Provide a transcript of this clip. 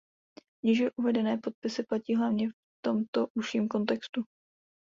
Níže uvedené popisy platí hlavně v tomto užším kontextu.